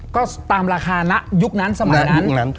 ก็ตามราคานะยุคนั้นสมัยนั้น